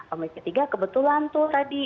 komisi tiga kebetulan tuh tadi